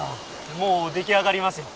もう出来上がりますよ。